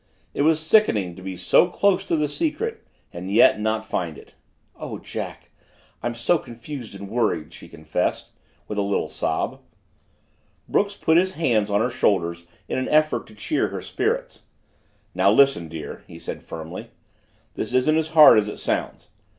It was sickening to be so close to the secret and yet not find it. "Oh, Jack, I'm so confused and worried!" she confessed, with a little sob. Brooks put his hands on her shoulders in an effort to cheer her spirits. "Now listen, dear," he said firmly, "this isn't as hard as it sounds.